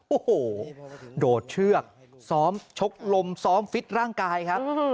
โอ้โหโดดเชือกซ้อมชกลมซ้อมฟิตร่างกายครับ